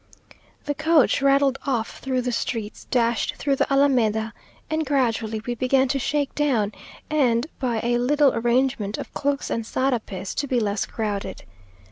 The coach rattled off through the streets, dashed through the Alameda, and gradually we began to shake down, and, by a little arrangement of cloaks and sarapes, to be less crowded.